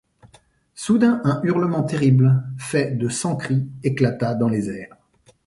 Soudain un hurlement terrible, fait de cent cris, éclata dans les airs.